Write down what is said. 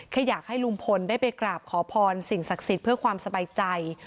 แค่อยากให้ลุงพลได้ไปกราบขอพรสิ่งศักดิ์สิทธิ์เพื่อความสบายใจ